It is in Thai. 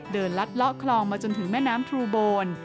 ลัดเลาะคลองมาจนถึงแม่น้ำทรูโบน